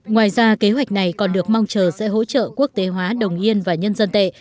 ngoài ra kế hoạch này còn được mong chờ sẽ hỗ trợ quốc tế hóa đồng yên và nhân dân tệ